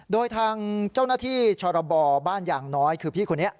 โดยทางเจ้าหน้าที่ชรบบ้านยางน้อยคือพี่คนนี้